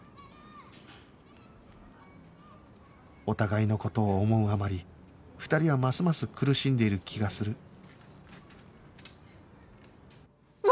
お互いの事を思うあまり２人はますます苦しんでいる気がする